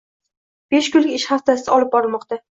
Besh kunlik ish haftasida olib borilmoqda.